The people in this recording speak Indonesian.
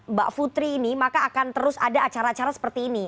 mbak putri ini maka akan terus ada acara acara seperti ini